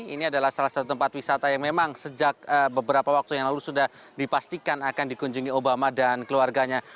ini adalah salah satu tempat wisata yang memang sejak beberapa waktu yang lalu sudah dipastikan akan dikunjungi obama dan keluarganya